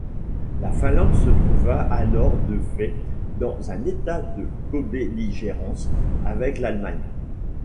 La Finlande se trouva alors de fait dans un état de cobelligérance avec l'Allemagne.